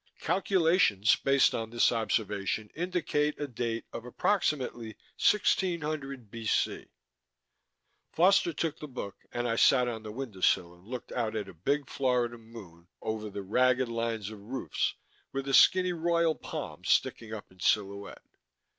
Calculations based on this observation indicate a date of approximately 1600 B.C._" Foster took the book and I sat on the window sill and looked out at a big Florida moon over the ragged line of roofs with a skinny royal palm sticking up in silhouette.